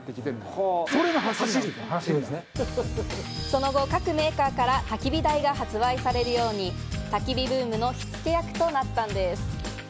その後、各メーカーからたき火台が発売されるように、たき火ブームの火付け役となったんです。